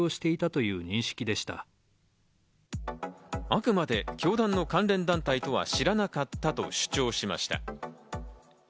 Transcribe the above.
あくまで教団の関連団体とは知らなかったと主張しました。